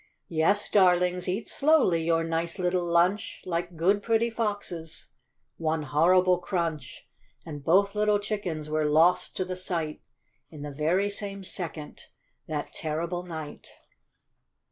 " Yes, darlings, eat slowly your nice little lunch, Like good, pretty foxes." One horrible crunch, And both little chickens were lost to the sight In the very same second, that terrible night.